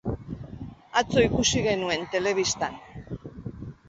Atzo ikusi genuen telebistan.